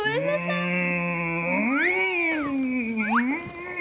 うん。